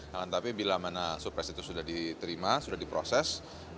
nah tapi bila mana surprise itu sudah diterima sudah diproses